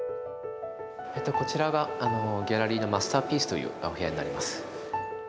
こちらがギャラリーのマスターピースと言うお部屋になります。